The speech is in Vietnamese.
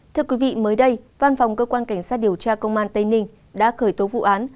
thưa quý vị mới đây văn phòng cơ quan cảnh sát điều tra công an tây ninh đã khởi tố vụ án